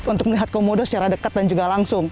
untuk melihat komodo secara dekat dan juga langsung